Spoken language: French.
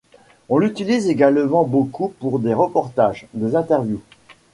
On l'utilise également beaucoup pour des reportages, des interviews...